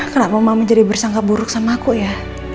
kenapa mama menjadi bersangka buruk sama aku ya